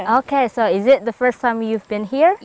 oke jadi ini pertama kali kamu ke sini